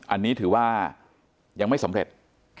อันนี้ถือว่ายังไม่สำเร็จ